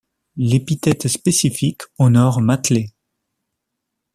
L'épithète spécifique honore Matley.